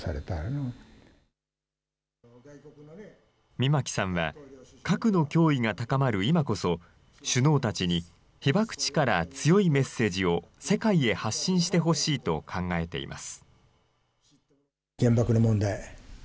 箕牧さんは核の脅威が高まる今こそ、首脳たちに、被爆地から強いメッセージを世界へ発信してほしいと考えています。